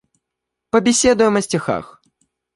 Побеседуем о стихах.